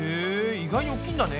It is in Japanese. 意外に大きいんだね。